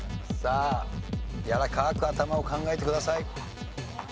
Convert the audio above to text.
さあやわらかく頭を考えてください。